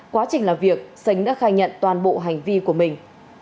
quá trình làm việc sánh đã khai nhận toàn bộ hành vi của mình